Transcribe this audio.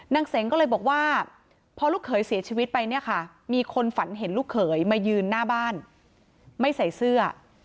เสงก็เลยบอกว่าพอลูกเขยเสียชีวิตไปเนี่ยค่ะมีคนฝันเห็นลูกเขยมายืนหน้าบ้านไม่ใส่เสื้อ